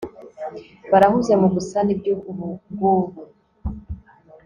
barahuze mugusana ibyo ubungubu